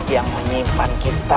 yang menyimpan kita